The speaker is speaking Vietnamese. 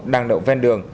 đang đậu ven đường